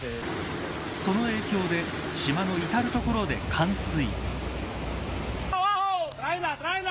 その影響で島の至る所で冠水。